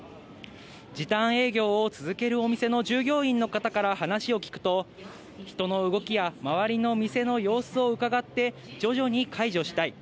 時短営業を続けるお店の従業員の方から話を聞くと、人の動きや周りの店の様子をうかがって、徐々に解除したい。